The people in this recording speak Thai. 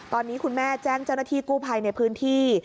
ตอนนี้คุณแม่แจ้งเจ้าหน้าที่กู้ภัยในพื้นที่